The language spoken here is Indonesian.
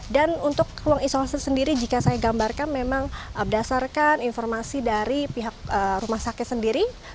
dan untuk ruang isolasi sendiri jika saya gambarkan memang berdasarkan informasi dari pihak rumah sakit sendiri